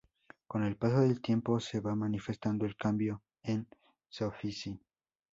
Con el paso del tiempo, se va manifestando un cambio en Soffici.